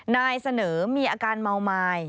นายเสนอมีอาการเมาไม้